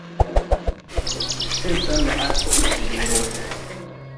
Ti-n sen laa ti-n huh ti biiri wu.